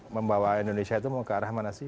membawa indonesia itu mau ke arah mana sih